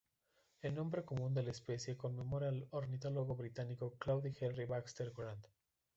El nombre común de la especie conmemora al ornitólogo británico Claude Henry Baxter Grant.